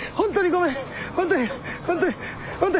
ごめん。